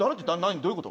どういうこと？」